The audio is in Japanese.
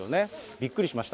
びっくりしました。